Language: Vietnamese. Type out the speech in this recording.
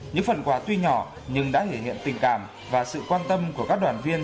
những phần quà tuy nhỏ nhưng đã thể hiện tình cảm và sự quan tâm của các đoàn viên